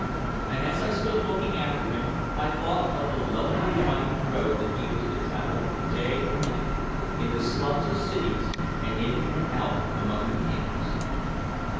And as I stood looking after him I thought of the lonely winding road that he was to travel day and night, into slums of cities and in and out among the camps.